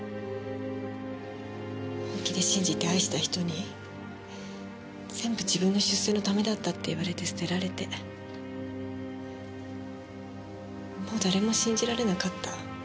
本気で信じて愛した人に全部自分の出世のためだったって言われて捨てられてもう誰も信じられなかった。